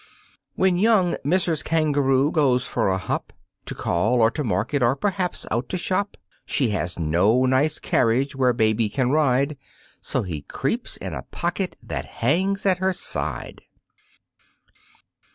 When young Mrs. Kangaroo goes for a hop, To call or to market or, perhaps, out to shop, She has no nice carriage where baby can ride, So he creeps in a pocket that hangs at her side.